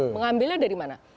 mengambilnya dari mana